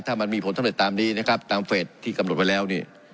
ถ้ามันมีผลสำเร็จตามนี้นะครับตามเฟสที่กำหนดไว้แล้วนี่